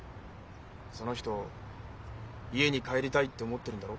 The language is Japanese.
その人家に帰りたいって思ってるんだろ？